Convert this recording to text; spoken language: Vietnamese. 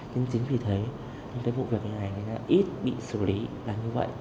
nhưng chính vì thế cái vụ việc này ít bị xử lý là như vậy